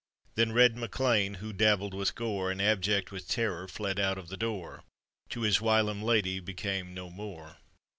Then red MacLean, who, dabbled with gore, And abject with terror, fled out of the door, To his whilom lady became no more.